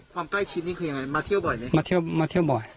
ความใกล้ชิดนี่คือยังไงมาเที่ยวบ่อยไหม